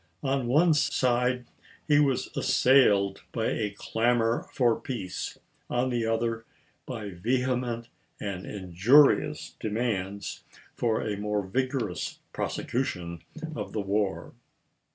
On one side he was assailed by a clamor for peace, on the other by vehement and injurious demands for a more vigorous prosecution of the war.